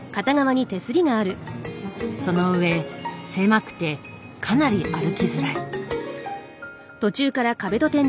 そのうえ狭くてかなり歩きづらい。